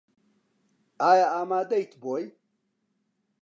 ئایا ئامادەیت بۆی؟